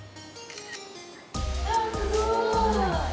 あっすごい。